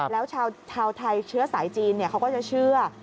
แล้วชาวไทยเชื้อสายจีนเขาก็จะเชื่อ